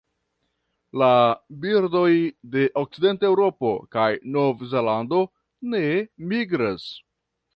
La birdoj de okcidenta Eŭropo kaj Novzelando ne migras.